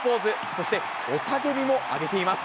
そして雄たけびも上げています。